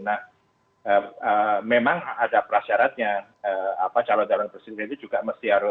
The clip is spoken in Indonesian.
nah memang ada prasyaratnya calon calon presiden itu juga mesti harus